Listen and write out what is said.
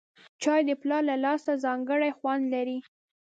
چای د پلار له لاسه ځانګړی خوند لري